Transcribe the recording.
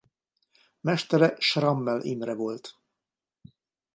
Mestere Schrammel Imre volt.